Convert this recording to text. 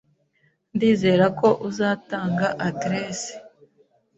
Ndizera ko uzatanga adresse.